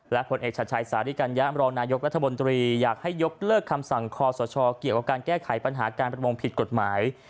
และผลเอกชัดชัยสาริกัญญะมรองนายกรัฐมนตรีอยากให้ยกเลิกคำสั่งคอสชเกี่ยวกับการแก้ไขปัญหาการประมงผิดกฎหมาย